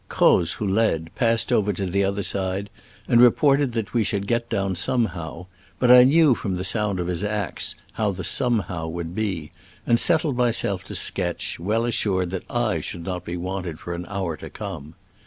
Croz, who led, passed over to the other side, and reported that we should get down some how, but I knew from the sound of his axe how the somehow would be, and settled myself to sketch, well assured that / should not be wanted for an hour to come.